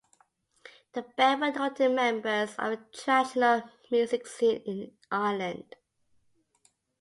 The band were noted members of the traditional music scene in Ireland.